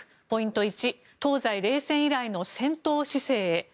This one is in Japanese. ポイント１東西冷戦以来の戦闘姿勢へ。